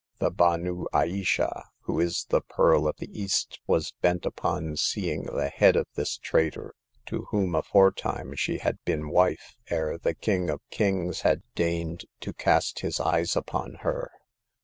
The Banou Ayesha, who is the Pearl of the East, was bent upon seeing the head of this traitor, to whom afore time she had been wife, ere the King of Kings had deigned to cast his eyes upon her.